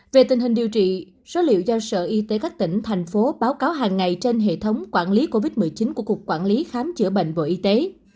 về tình hình điều trị số liệu giao sở y tế các tỉnh thành phố báo cáo hàng ngày trên hệ thống quản lý covid một mươi chín của cục quản lý khám chữa bệnh bộ y tế